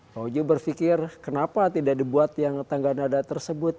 pak ujo berpikir kenapa tidak dibuat yang tangga nada tersebut